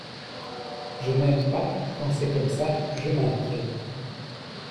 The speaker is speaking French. Je n'aime pas, quand c'est comme ça, je m'inquiète.